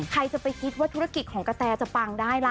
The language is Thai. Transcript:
ใครจะไปคิดว่าธุรกิจของกะแตจะปังได้ล่ะ